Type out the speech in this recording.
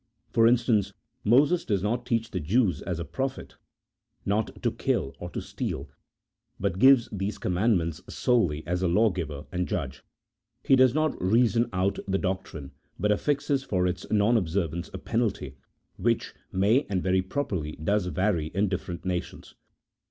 For instance, Moses does not teach the Jews as a prophet not to kill or to steal, but gives these commandments solely as a lawgiver and judge ; he does not reason out the doc trine, but affixes for its non observance a penalty which may and very properly does vary in different nations.